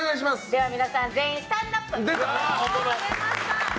では皆さん全員スタンドアップ。